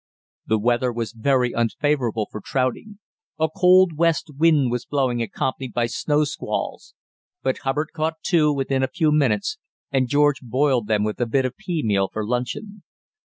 The weather was very unfavourable for trouting a cold west wind was blowing accompanied by snow squalls but Hubbard caught two within a few minutes, and George boiled them with a bit of pea meal for luncheon.